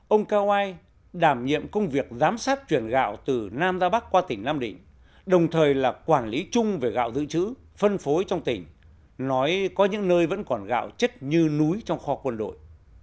ông cao ai đảm nhiệm công việc giám sát chuyển gạo từ nam ra bắc qua tỉnh nam định đồng thời là quản lý chung về gạo dự trữ phân phối trong tỉnh nói có những nơi vẫn còn gạo chất như núi trong kho quân đội